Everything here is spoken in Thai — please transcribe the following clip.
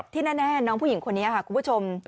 ที่แน่น้องผู้หญิงคนนี้ค่ะคุณผู้ชม